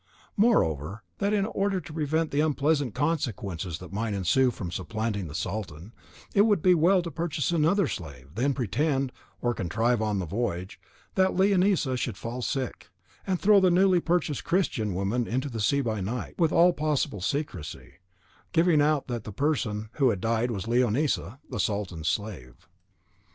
Moreover, that in order to prevent the unpleasant consequences that might ensue from supplanting the sultan, it would be well to purchase another slave, then pretend, or contrive on the voyage, that Leonisa should fall sick, and throw the newly purchased Christian woman into the sea by night, with all possible secrecy, giving out that the person who had died was Leonisa, the sultan's slave.